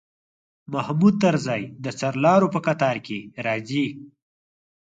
محمود طرزی د سرلارو په قطار کې راځي.